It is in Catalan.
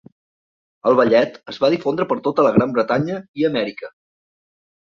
El ballet es va difondre per tota la Gran Bretanya i Amèrica.